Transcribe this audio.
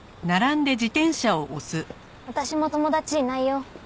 私も友達いないよ。